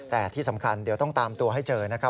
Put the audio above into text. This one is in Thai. แต่ที่สำคัญเดี๋ยวต้องตามตัวให้เจอนะครับ